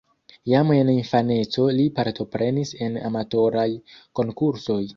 Jam en infaneco li partoprenis en amatoraj konkursoj.